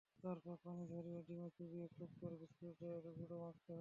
তারপর পানি ঝরিয়ে ডিমে চুবিয়ে খুব করে বিস্কুটের গুঁড়ো মাখাতে হবে।